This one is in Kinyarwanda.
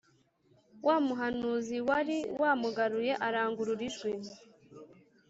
wa muhanuzi wari wamugaruye arangurura ijwi